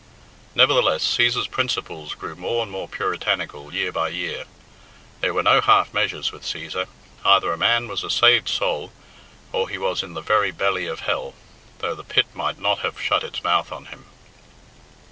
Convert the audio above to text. Nevertheless, Cæsar's principles grew more and more puritanical year by year. There were no half measures with Cæsar. Either a man was a saved soul, or he was in the very belly of hell, though the pit might not have shut its mouth on him.